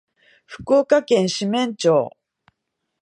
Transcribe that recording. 福岡県志免町